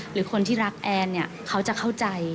หรือคนที่รักแอนเนี่ยเขาจะเข้าใจ